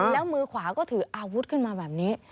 แล้วมือขวาก็ถืออาวุธขึ้นมาแบบนี้